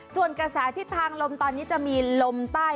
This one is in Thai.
ส่วนกระแสทิศทางลมตอนนี้จะมีลมใต้